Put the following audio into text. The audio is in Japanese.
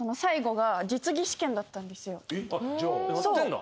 じゃあやってんだ。